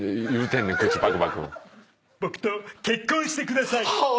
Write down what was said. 僕と結婚してください。